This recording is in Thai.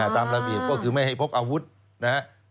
ตามระเบียบก็คือไม่ให้พกอาวุธนะครับ